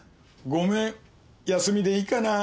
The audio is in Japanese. ごめん休みでいいかな。